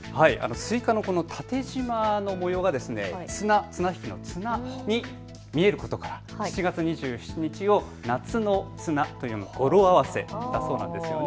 スイカの縦じまの模様が綱引きの綱に見えることから７月２７日を夏の綱と読む語呂合わせだそうなんです。